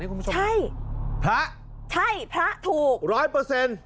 อุ๊ยพระใช่พระถูกร้อยเปอร์เซ็นต์